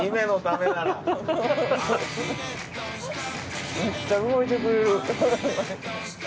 めっちゃ動いてくれる。